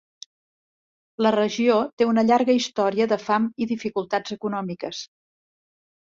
La regió té una llarga història de fam i dificultats econòmiques.